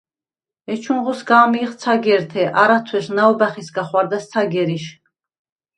ეჩუნღო სგა̄მიეხ ცაგერთე. არა თუ̂ეუ̂ს ნაუ̂ბა̈ხისგა ხუ̂არდა̈ს ცაგერიშ.